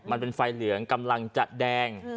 มันเป็นไฟเหลืองกำลังจะแดง